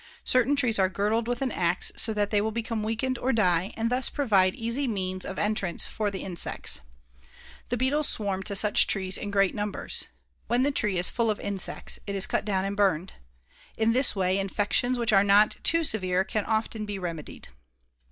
Certain trees are girdled with an ax so that they will become weakened or die, and thus provide easy means of entrance for the insects. The beetles swarm to such trees in great numbers. When the tree is full of insects, it is cut down and burned. In this way, infections which are not too severe can often be remedied.